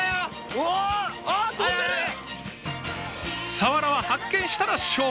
サワラは発見したら勝負！